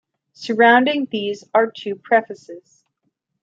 Surrounding this are two prefaces.